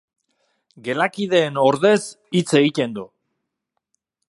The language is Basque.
Gelakideen ordez hitz egiten du.